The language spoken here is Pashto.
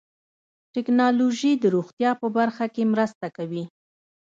ټکنالوجي د روغتیا په برخه کې مرسته کوي.